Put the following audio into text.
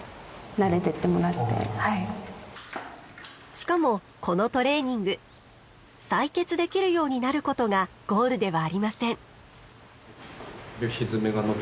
しかもこのトレーニング採血できるようになることがゴールではありません。